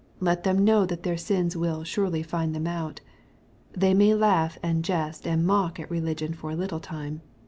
Let them know that their sins will " surely find them out." They may laugh, and jest, and mock at religion for a little time.